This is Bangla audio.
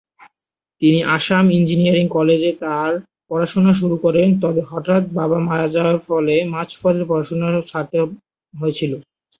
তিনি আসাম ইঞ্জিনিয়ারিং কলেজে তার পড়াশুনো শুরু করেন তবে হঠাৎ বাবা মারা যাওয়ার ফলে মাঝপথে পড়াশুনো ছাড়তে হয়েছিল।